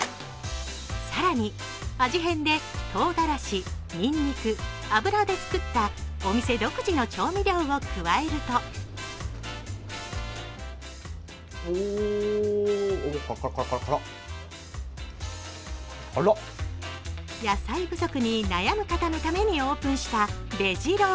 更に、味変で唐辛子、にんにく、油で作ったお店独自の調味料を加えると野菜不足に悩む方のためにオープンしたベジ郎。